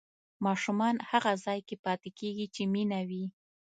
ماشومان هغه ځای کې پاتې کېږي چې مینه وي.